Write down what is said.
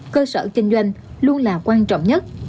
cơ sở kinh doanh luôn là quan trọng nhất